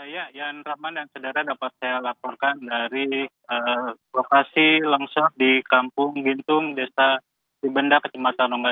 ya yan rahman dan sederhana dapat saya laporkan dari lokasi longsor di kampung gintung desa cibendak kecamatan nongga